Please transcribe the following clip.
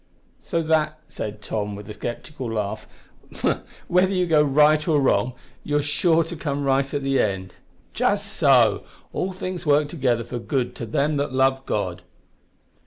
"So that" said Tom, with a sceptical laugh, "whether you go right or go wrong, you are sure to come right in the end!" "Just so! `_All_ things work together for good to them that love God.'"